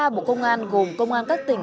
bộ công an gồm công an các tỉnh